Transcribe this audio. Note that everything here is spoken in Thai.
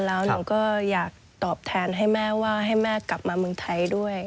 แล้วหนูก็อยากตอบแทนให้แม่ว่าให้แม่กลับมาเมืองไทยด้วย